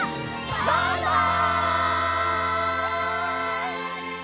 バイバイ！